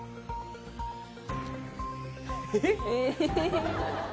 えっ？